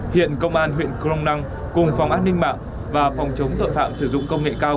hiện công an huyện crong năng cùng phòng an ninh mạng và phòng chống tội phạm sử dụng công nghệ cao